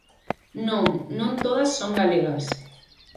Non, non todas son galegas!